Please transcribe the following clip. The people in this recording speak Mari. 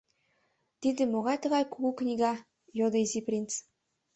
— Тиде могай тыгай кугу книга? — йодо Изи принц.